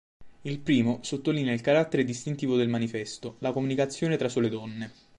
Il primo sottolinea il carattere distintivo del "Manifesto": la comunicazione tra sole donne.